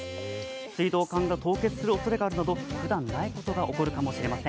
水道管が凍結するおそれがあるなどふだんないことが起こるかもしれません。